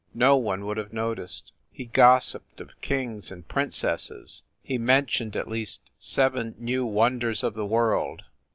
No one would have noticed. He gossiped of kings and princesses, he mentioned at least seven new wonders of the world.